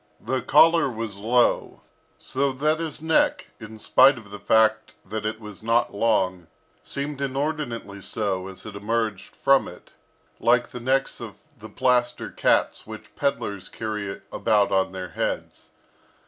The collar was low, so that his neck, in spite of the fact that it was not long, seemed inordinately so as it emerged from it, like the necks of the plaster cats which pedlars carry about on their heads.